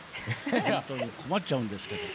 本当に困っちゃうんですけど。